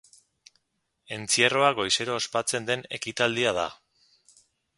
Entzierroa goizero ospatzen den ekitaldia da.